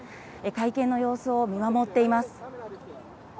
会見の様子を見守っています。